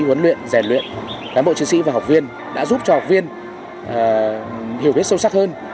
huấn luyện rèn luyện cán bộ chiến sĩ và học viên đã giúp cho học viên hiểu biết sâu sắc hơn